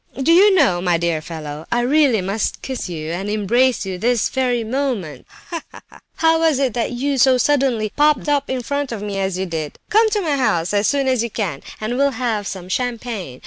Do you know, my dear fellow, I really must kiss you, and embrace you, this very moment. Ha, ha! How was it you so suddenly popped up in front of me as you did? Come to my house as soon as you can, and we'll have some champagne.